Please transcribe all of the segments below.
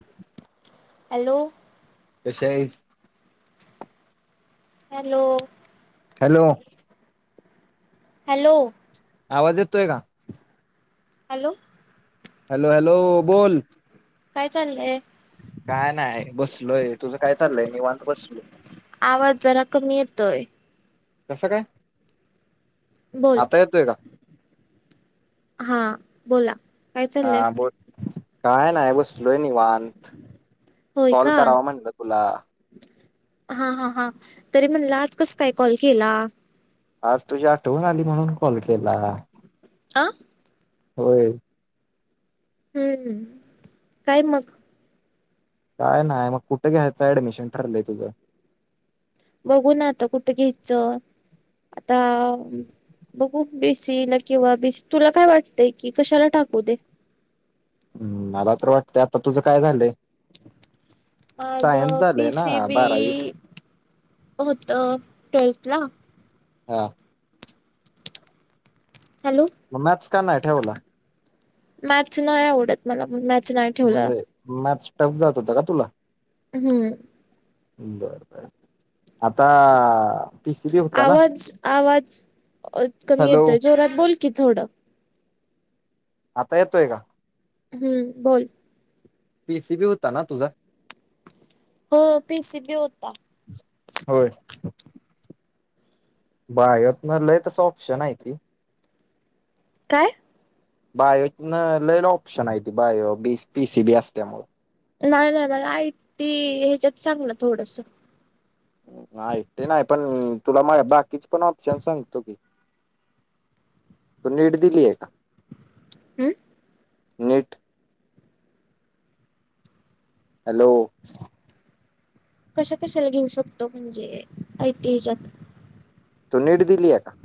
ह [inaudible] [unintelligible] हॅलो कश्यां आहेतं हॅलो हॅलो हॅलो आवांज येतोय कां हॅलो हॅलो हॅलो बोलं कायं चाललंय कायं नाहीं बसलोय तुझं कायं चाललंय निवांत बसलो आवांज जरां कमी येतोय कसं कायं बोलं... हां बोलां हां बोलं कायं नांय बसलोय निवांत होयं कॉल कां करावा म्हणलं तुला. हां हां हां.. तरी म्हणलं आंज कसं कायं कॉल केलां आंज तुझी आठवणं आलीं म्हणूंन कॉल केलां आं होयं हं हं.. कायं मंग कायं नाहीं मंग कुंठे घ्यायचं ऍडमिशन ठरलंय तुझं बघूं नां आंता कुंठं घ्यायचं आंता बघूं बीसीला किंवा बीसी तुंला कायं वाटतंय कि कशांला टाकूं दे मलां तरं वाटतंय आंता तुझं कायं झालंय सायन्स माझं झालंय पी ना सी बी बारावी. होतं- अं ट्वेल्थलां हां हॅलो मंग मॅथ कां नांय ठेवलां मॅथ नांय आवडतं मलांपणं मॅथ नांय म्हणजे मॅथ्स् टंफ जातं होतं कां तुलां हम्मं बर बर आता पीसीबी होता ना? आवाज आवाज अ कमी हॅलो. येतोय जोरात बोल की थोड. आता येतोय का? हम्म्म बोल पी सी बी होता ना तुझा? हो पी सी बी होता. होय बायोतन लय तस ऑप्शन्स हायती. काय... बायोतन लय ऑप्शन हायती बायो पी सी बी असल्यामुळ. नाही नाय मला आयटी ह्याचात सांग ना थोडस. आयटी न्हाय पण तुला मग बाकीच पण ऑप्शन सांगतो. तू नेट दीलीये का? हं नीट हॅलो कशा कशाला घेऊ शकतो म्हणजे आयटी ह्याचात. तू नीट दिलीये का?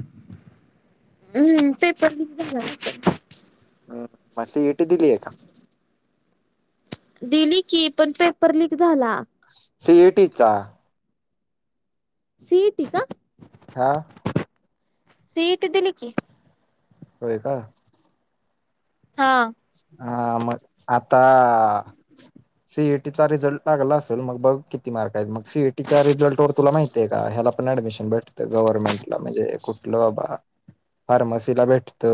हम्म पेपर लीक झाल असत. मग सी ई टी दिलीये का? दिली की पण पेपर लीक झाला. सी ई टी चा? सीईटी चा. हां सीईटी दिली की. होय का. हां हां मग आता सीईटीचा रिझल्ट. लागला असल मग बघ किती मार्क हायेत मग सीईटीच्या रिझल्ट वर तुला माहितेय का ह्याला पण ॲडमिशन भेट गव्हर्नमेंटला म्हणजे कुठल बाबा फार्मसीला भेटत.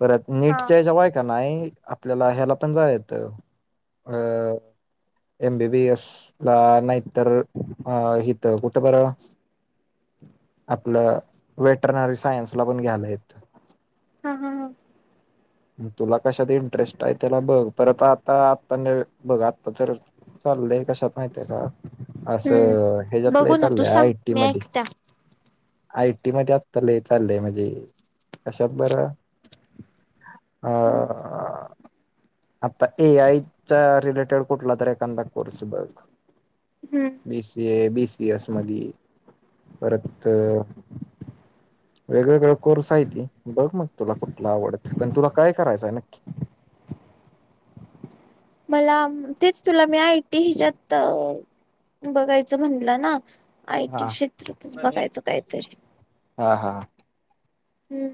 परत हा नीटच्या हेज्यावाय नाय आपल्याला ह्याला पण जाय येत अं एम बी बी एस ला नाही तर अ हीथ कुठ बर? आपल वेटर्नरी सायन्सला पण घ्यायला येतय. हा हा हा. तुला कशात इंटरेस्ट आहे त्याला बघ. परत आता आता नवे बघ आता तर चाललय कशात माहितय का? अस हम्म ह्याचात बघू लय ना तू चाललय सांग आय टी मी मधी. ऐकत्या आय टी मध्ये आत्ता लय चाललय म्हणजे कशात बर? अं आता ए आय च्या रिलेटेड कुठला तरी एखांदा कोर्स बघ हम्म बी सी ए, बी स पी एस मधी परत वेगवेेगळे कोर्स आहेती बघ मग तुला कुठला आवडत? पण तुला काय करायचय नक्की? मला तेच तुला मी आय टी हिच्यात बघायच म्हणल ना. आय टी हा क्षेत्रातच बघायच काहीतरी. हा हा हम्म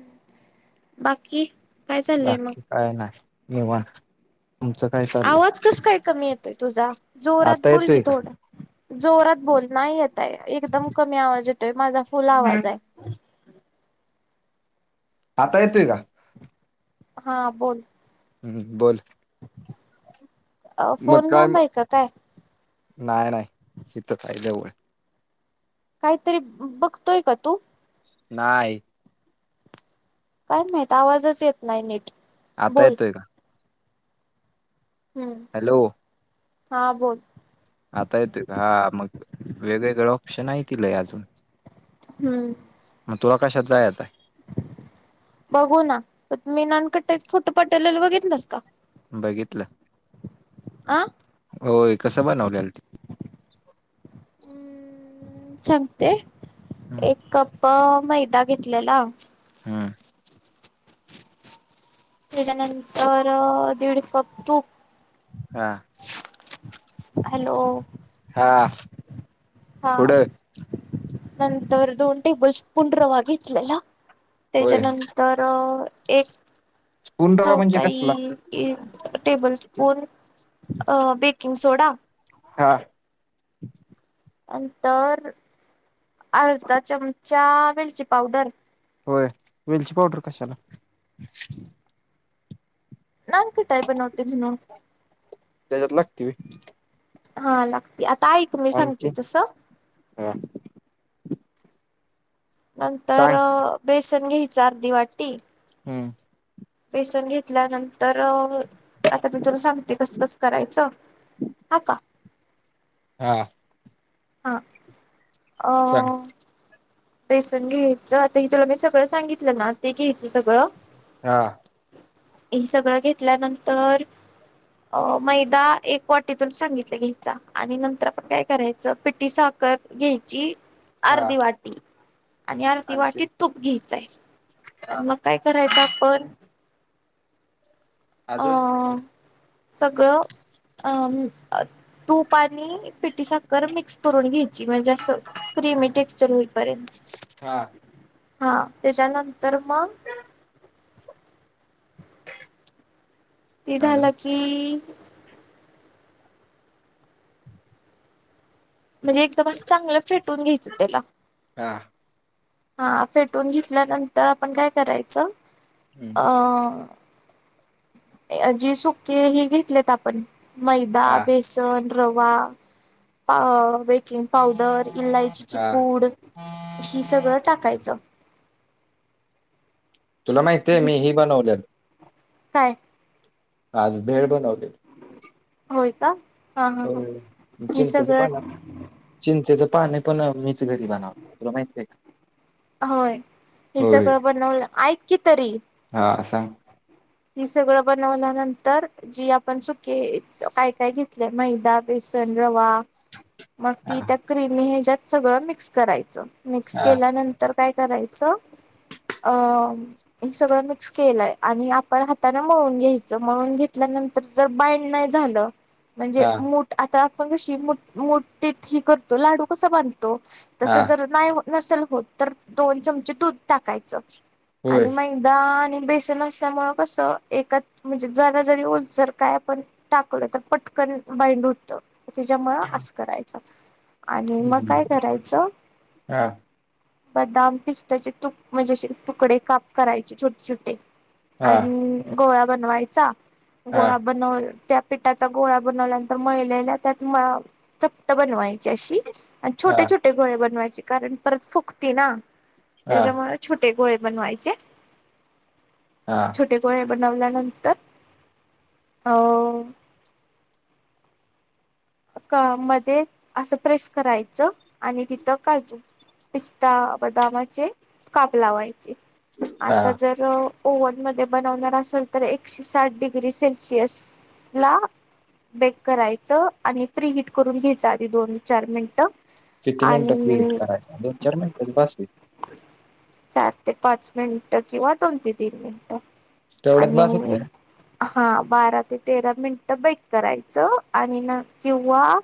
बाकी? काय चाललंय मग बाकी काय नाय, निवांत. तुमचं काय चाललंय आवाज कस, काय कमी येतोय तुझा? जोरात आता बोल की येतोय का थोड. जोरात बोल, नाही येतय, एकदम कमी आवाज येतोय. माझा फुल आवाज हाय. आता येतोय का? हा बोल. हम्म, बोल. अं, फोन लांब हाय का काय? नाय, नाय हितचं हाय जवळ. कायतरी बघतोय का तू? नाय. काय माहित, आवाजच येत नाय नीट. आता बोल येतोय का? हम्म. हॅलो. हा बोल. आता येतोय, हा मग वेगवेगळे ऑप्शन हाय की लई अजून. हम्म मग तुला कशात जायचं हाय? बघू ना, मी नानकटईच फोटो पाठवलेलं बघितलंस का? बघितलं, आ होय कस बनवल्याल ते? हम्म सांगते, हम्म एक कप मैदा घेतलेला. हम्म. त्येच्यानंतर दीड कप तूप. हा, हॅलो हा. हा, पुढं नंतर दोन टेबलस्पून रवा घेतलेला. होय त्याच्यानंतर एक पूर्ण रवा म्हणजे कसला चौथाई एक टेबलस्पून अं, बेकिंग सोडा. हां. नंतर, अर्धा चमचा वेलची पावडर. होय, वेलची पावडर कशाला? नानकटाई बनवते म्हणून. त्याच्यात लागती व्हय? हा लागती, आता आइक मी सांगते तसं. हां. नंतर सांग बेसन घ्यायचं अर्धी वाटी. हम्म. बेसन घेतल्यानंतर, आता मी तुला सांगते कस, कस करायचं. हा का? हा. हा अ सांग. बेसन घ्यायचं, आता हे तुला मी सगळं सांगितलं ना ते घ्यायचं सगळं हा ही सगळं घेतल्यानंतर अ, मैदा एक वाटीतून सांगितलं घ्यायचा, आणि नंतर आपण काय करायचं पिटी साख र, घ्यायची हा अर्धी वाट आणि आर्धी आणखी वाटी तुप घ्यायचय हा आणि मग काय करायच आपण अजून हं अ सगळ अ तुप आणि पिठी साखर मिक्स करून घ्याय ची म्हणजे अस क्रिमी टेक्स्चर होईपर्यंत. हा हा त्याच्यानंतर मग ते झाल अजून की म्हणजे एकदम अस चांगल फेटून घ्यायच त्याला हां हा फेटून घेतल्यानंतर आपण काय करायच [inaudible] अ अ जी सुके ही घेतलेत आपण मैदा हा बेस सन रवा पा बेकिंग पावडर इलायचीची हा पूड हि सगळ टाकायच. तुला माहितीये मी हे हीच बनवलय. काय? आज भेळ बनवली. होय का हां हां हां होय हे सगळ चिंचेच पाणी पण मीच घरी बनवतो तुला माहित आहे का? होय हे सगळ बनवल आईकी तरी. हां सांग ही सगळ बनवल्या नंतर जी आपण सुकी काय काय घेतलय मैदा, बेसन, रवा मग हा ती त्या क्रीमी ह्याच्यात सगळ मिक्स करायच मिक्स हा केल्यानंतर तर काय करायच अ हे सगळ मिक्स केलाय आणि आ पण हातान मळून घ्यायच मळून घेतल्यानंतर जर बाईंड नाही झाल म्हणजे हा मु आता आपण कशी मु मुठीत ही करतो लाडू कसा बांधतो तस हा जर नाही नसेल होत तर दोन चमचे दुध टाकायच होय आणि मैदा आणि बेसन अस त्यामुळे कस एकच म्हणजे जरा जरी ओलसर जर काय आपण टाकल तर पटकन बाइंड होत त्याच्यामुळ अआस करायच. आणि मग काय हम्म करायच. हा बदाम पिस्ताचे तुक म्हणजे तुकडे काप करायचे छोटे छोटे. हा आणि गोळा बनवायचा हा गोळा बनऊन त्या पिठाचा गोळा बनवल्यानंतर मळलेला त्यात म चपट बनवायची अशी आणि हा हा छोटे छोटे गोळे बनवायचे कारण परत फुगती ना त्याच्यामुळे छोटे गोळे बनवायचे. हां छोटे गोळे बनवल्यानंतर अ क मध्ये अस प्रेस करायचं आणि तिथ काजु पिस्ता बदामाचे काप लावायचे हा आता जर ओव्हन मध्ये बनवणार असाल तर एकशे साठ डिग्री सेल्सिअस ला बेक करायच आणि प्रि हिट करून घ्यायच आधी दोन चार मिनिट. किती मिनट प्रीहिट करायच दोन चार मिनिट बस. चार ते पाच मिनिट किंवा दोन ते तीन मिनिटं. तेवढ्यात बास आणि. होतंय ना हा बारा ते तेरा मिनिट बाईक करायचं, आणि ना. किंवा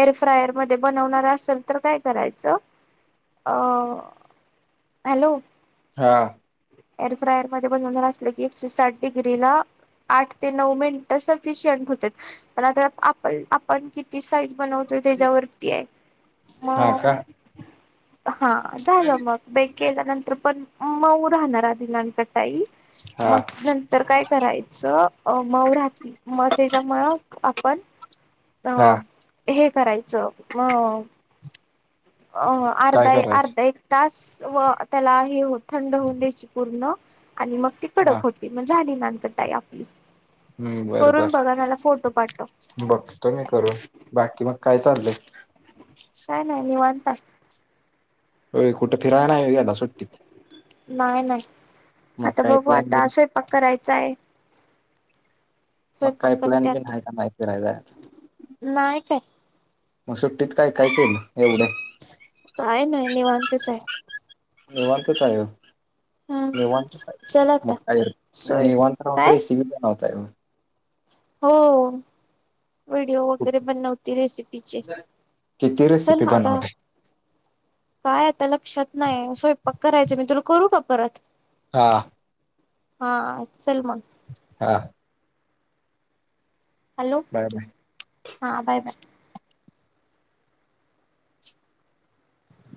एर फ्रायर मध्ये बनवणार असल तर काय करायचं. अ, हॅलो. हा. एअर फ्रायर मध्ये बनवणार असलं की एकशे साठ डिग्रीला आठ ते नऊ मिनिट सफिशियंट होत्यात, पण आता आपण, आप पण, किती साईज बनवतोय त्याच्यावरती हाय. म हा का हा, झालं मग बेक केल्यानंतर पण, मऊ राहणार आधी नानकटाई. हा मग नं तर, काय करायचं. मऊ राहती म त्येच्यामुळं आपण अ, हा हे करायचं मग अ, काय अर्धा, अर्धा करायचं एक तास व त्याला हे थंड होऊन द्यायची पूर्ण. आणि मग ती हा कडक होती. मग झाली नानकटाई आपली. हम्म, करून बरबर बघा मला फोटो पाठव बघतो मी करून, बाकी मग काय चाललंय? काय नाही निवांत. होय कुठ फिराय नाय व्हय सुट्टीत? नाय, नाय मग आता काय बघू प्लॅन आता बिन स्वयंपाक करायचा हाय. मग काय प्लॅन बीन आता हाय का नाही फिरायला जायाचा. नाही काय म, सुट्टीत काय-काय केलं एवढं? काय नाही निवांतच हाय. निवांत काय वो. हम्म निवांत हायेसा, चल मग आता काय करता सोय निवांत राहून काय रेसिपी बनवताय होय? हो. व्हिडिओ वगैरे बनवते रेसिपीचे, किती रेसिपी चल आता बनवताय काय आता लक्षात नाही, स्वयंपाक करायच. मी तुला करू का परत? हां. हा चल मग. हा. हलो. Bye, bye. हा, बाय -बाय.